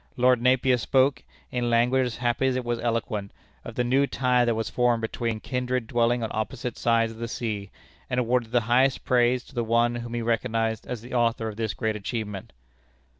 Lord Napier spoke, in language as happy as it was eloquent, of the new tie that was formed between kindred dwelling on opposite sides of the sea, and awarded the highest praise to the one whom he recognized as the author of this great achievement.